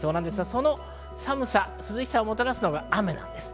その寒さ、涼しさをもたらすのが雨です。